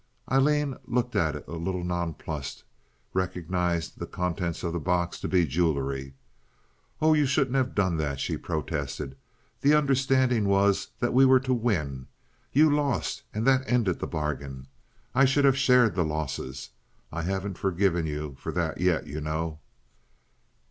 Aileen looked at it a little nonplussed, recognizing the contents of the box to be jewelry. "Oh, you shouldn't have done that," she protested. "The understanding was that we were to win. You lost, and that ended the bargain. I should have shared the losses. I haven't forgiven you for that yet, you know."